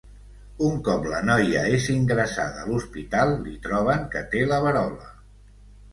Un cop la noia és ingressada a l'hospital, li troben que té la verola.